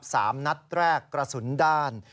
สามนัดแรกกระสุนด้าน